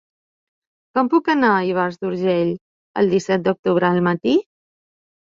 Com puc anar a Ivars d'Urgell el disset d'octubre al matí?